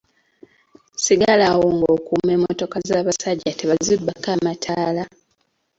Sigala awo ng'okuuma emmotoka z'abasajja tebazibbako amataala.